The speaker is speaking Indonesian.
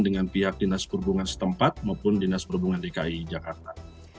dengan pihak dinas perhubungan setempat maupun dinas perhubungan dki jakarta